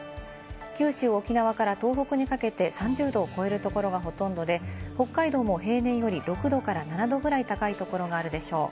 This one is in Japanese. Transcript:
九州、沖縄から東北にかけて３０℃を超えるところがほとんどで、北海道も平年より６度から７度ぐらい高いところがあるでしょう。